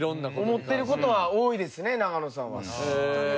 思ってる事は多いですね永野さんは。